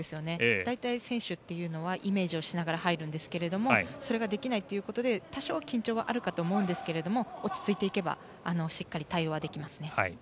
大体、選手というのはイメージをしながら入るんですがそれができないということで多少、緊張はあるかと思うんですけど落ち着いていけばしっかり対応はできます。